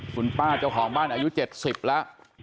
คุณป้าเจ้าของบ้านอายุ๗๐แล้ว